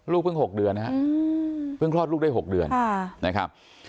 เพิ่ง๖เดือนนะครับเพิ่งคลอดลูกได้๖เดือนนะครับ